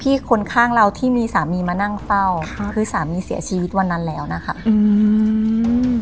คนข้างเราที่มีสามีมานั่งเฝ้าครับคือสามีเสียชีวิตวันนั้นแล้วนะคะอืม